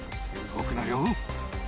動くなよ。